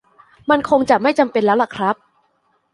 มันคงจะไม่จำเป็นแล้วล่ะครับ